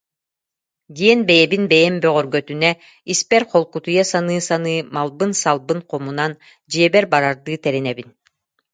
диэн бэйэбин бэйэм бөҕөргөтүнэ, испэр холкутуйа саныы-саныы малбын-салбын хомунан, дьиэбэр барардыы тэринэбин